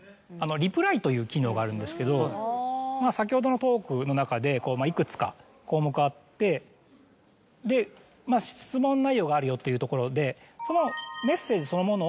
という機能があるんですけど先ほどのトークの中でいくつか項目があって質問内容があるよっていうところで。